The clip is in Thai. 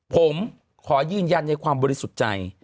ผมขอยืนยันในความบริสุทธิ์ใจ